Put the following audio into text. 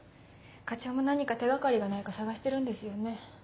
課長も何か手掛かりがないか探してるんですよね。